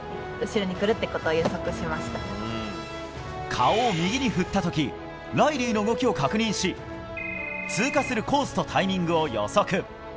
顔を右に振った時ライリーの動きを確認し通過するコースとタイミングを予測。